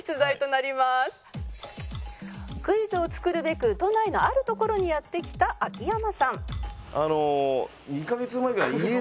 「クイズを作るべく都内のある所にやって来た秋山さん」